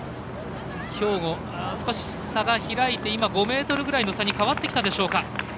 兵庫、少し差が開いて５ｍぐらいの差に変わってきたでしょうか。